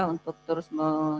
untuk terus mengembangkan